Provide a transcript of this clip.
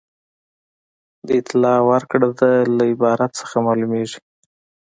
د اطلاع ورکړې ده له عبارت څخه معلومیږي.